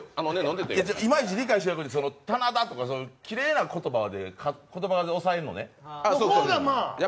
いまいち理解してなくて、棚田とかきれいな言葉で抑えるのね。